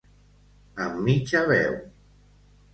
Amb mitja veu.